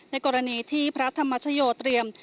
กรณีที่พระธรรมชโยเตรียม